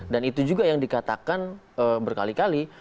dan itu juga yang dikatakan berkali kali